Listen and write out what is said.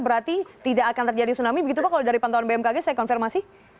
berarti tidak akan terjadi tsunami begitu pak kalau dari pantauan bmkg saya konfirmasi